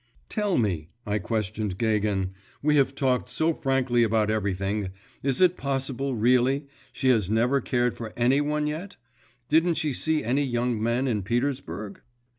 'Tell me,' I questioned Gagin, 'we have talked so frankly about everything, is it possible really, she has never cared for any one yet? Didn't she see any young men in Petersburg?